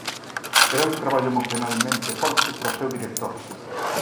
Será un traballo emocionalmente forte para o seu director.